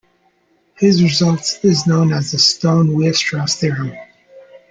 His result is known as the Stone-Weierstrass theorem.